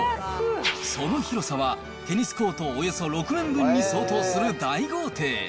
その広さはテニスコートおよそ６面分に相当する大豪邸。